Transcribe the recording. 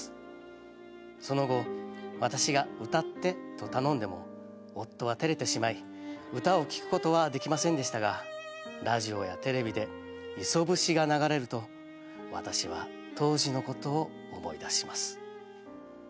その後私が『うたって』と頼んでも夫はてれてしまい唄を聴くことはできませんでしたがラジオやテレビで『磯節』が流れると私は当時のことを思い出します」。